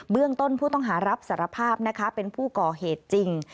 เรื่องต้นผู้ต้องหารับสารภาพนะคะเป็นผู้ก่อเหตุจริง